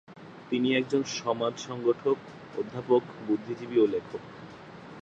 তিনি একজন সমাজ সংগঠক, অধ্যাপক, বুদ্ধিজীবী ও লেখক।